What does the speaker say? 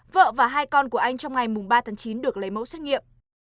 vợ và hai con của anh trong ngày ba tháng chín được lấy mẫu xét nghiệm